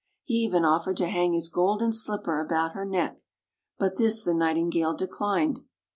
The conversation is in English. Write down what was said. He even offered to hang his golden slipper about her neck. But this the Nightingale declined.